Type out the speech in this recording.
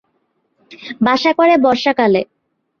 বাসা করে বর্ষাকালে।